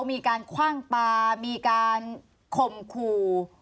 มีการคว่างปลามีการข่มขู่